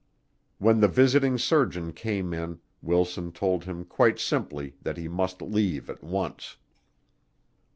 When the visiting surgeon came in, Wilson told him quite simply that he must leave at once.